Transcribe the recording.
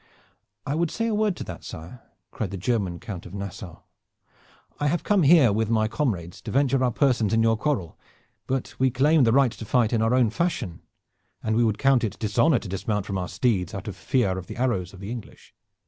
"I would say a word to that, sire," cried the German Count of Nassau, "I have come here with my comrades to venture our persons in your quarrel; but we claim the right to fight in our own fashion, and we would count it dishonor to dismount from our steeds out of fear of the arrows of the English.